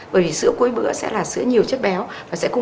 bởi vì sữa cuối bữa sẽ là sữa nhiều chất béo